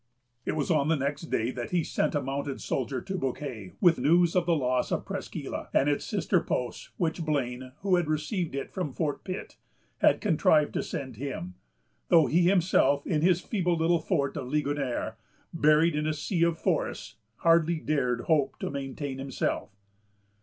It was on the next day that he sent a mounted soldier to Bouquet with news of the loss of Presqu' Isle and its sister posts, which Blane, who had received it from Fort Pitt, had contrived to send him; though he himself, in his feeble little fort of Ligonier, buried in a sea of forests, hardly dared hope to maintain himself.